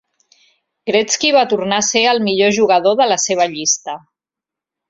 Gretzky va tornar a ser el millor jugador de la seva llista.